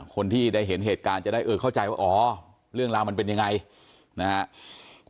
คนที่ได้เห็นเหตุการณ์จะได้เออเข้าใจว่าอ๋อเรื่องราวมันเป็นยังไงนะครับ